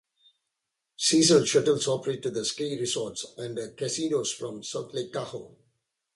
Seasonal shuttles operate to the ski resorts and casinos from South Lake Tahoe.